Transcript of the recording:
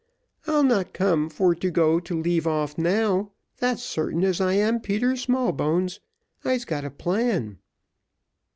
I'll not come for to go to leave off now, that's sartain, as I am Peter Smallbones I'se got a plan."